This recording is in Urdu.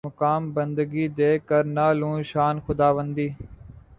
مقام بندگی دے کر نہ لوں شان خداوندی